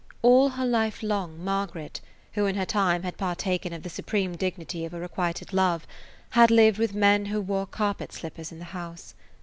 All her life long Margaret, who in her time had partaken of the supreme dignity of a requited love, had lived with men who wore carpet slippers in the house.